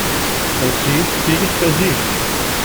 Εσύ πήγες πεζή.